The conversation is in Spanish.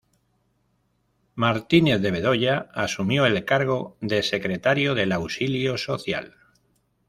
Martínez de Bedoya asumió el cargo de secretario del Auxilio Social.